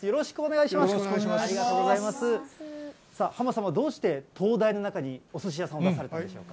さあ、はまさんはどうして、東大の中におすし屋さんをされているんでしょうか。